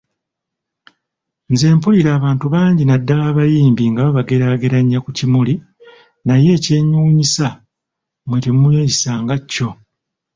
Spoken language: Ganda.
Nze mpulira abantu bangi naddala abayimbi nga babageraageranya ku kimuli, naye ekyewuunyisa mmwe temweyisa nga kyo.